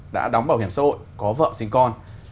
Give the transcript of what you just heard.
đã đóng bảo hiểm xã hội có vợ sinh con